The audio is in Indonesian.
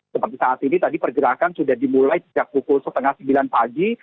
seperti saat ini tadi pergerakan sudah dimulai sejak pukul setengah sembilan pagi